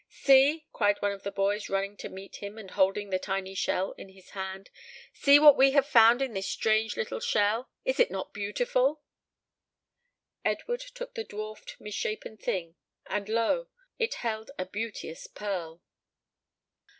"See," cried one of the boys, running to meet him and holding a tiny shell in his hand, "see what we have found in this strange little shell. Is it not beautiful!" Edward took the dwarfed, misshapen thing, and lo! it held a beauteous pearl.